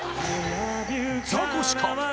ザコシか？